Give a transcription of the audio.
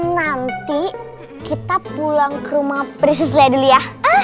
nanti kita pulang ke rumah prinses lidya